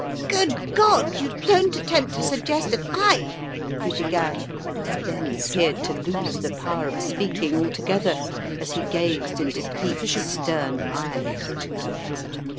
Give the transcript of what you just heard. "Good God, you don't attempt to suggest that I " he began, then appeared to lose the power of speaking altogether as he gazed into Cleek's stern eyes.